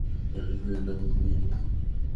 আমি এটা ভাঙিনি, মা।